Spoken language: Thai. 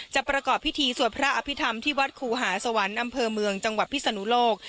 ประกอบพิธีสวดพระอภิษฐรรมที่วัดครูหาสวรรค์อำเภอเมืองจังหวัดพิศนุโลก